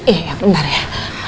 iya bentar ya